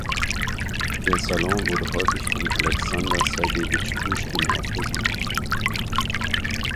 Ihr Salon wurde häufig von Alexander Sergejewitsch Puschkin aufgesucht.